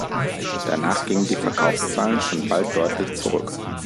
Danach gingen die Verkaufszahlen schon bald deutlich zurück.